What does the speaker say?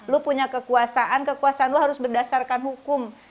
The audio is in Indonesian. lu punya kekuasaan kekuasaan lo harus berdasarkan hukum